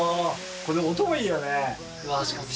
この音もいいよね。